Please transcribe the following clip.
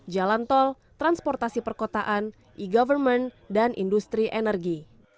jalan tol transportasi perkotaan e government dan industri energi